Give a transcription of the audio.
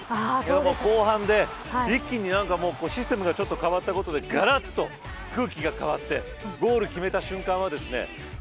後半で一気にシステムが変わったことでがらっと空気が変わってゴールを決めた瞬間はですね